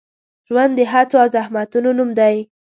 ژوند د هڅو او زحمتونو نوم دی.